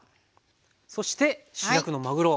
そして主役のまぐろ